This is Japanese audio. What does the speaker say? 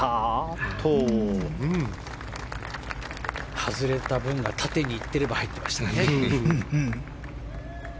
外れた分が縦にいってれば入ってましたね。